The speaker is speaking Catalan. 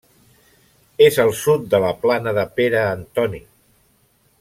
És al sud de la Plana de Pere Antoni.